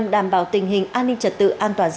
dạ tại anh ạ